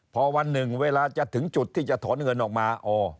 พอวันหนึ่งเวลาจะถึงจุดที่จะถอนเงินออกมา